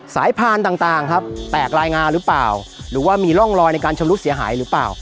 พานต่างครับแตกลายงาหรือเปล่าหรือว่ามีร่องรอยในการชำรุดเสียหายหรือเปล่า